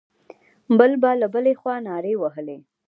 بل به له بلې خوا نارې وهلې.